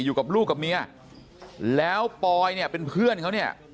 อยู่กับลูกกับเมียแล้วปอยเนี่ยเป็นเพื่อนเขาเนี่ย